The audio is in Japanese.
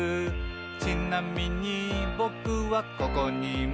「ちなみにぼくはここにいます」